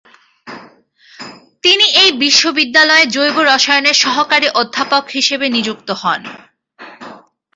তিনি এই বিশ্ববিদ্যালয়ে জৈব রসায়নের সহকারী অধ্যাপক হিসিবে নিযুক্ত হন।